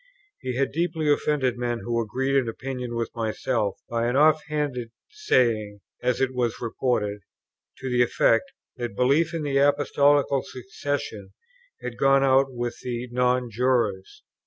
He had deeply offended men who agreed in opinion with myself, by an off hand saying (as it was reported) to the effect that belief in the Apostolical succession had gone out with the Non jurors.